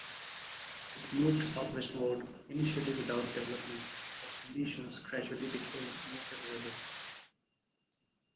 It moved southwestward, initially without development, but conditions gradually became more favorable.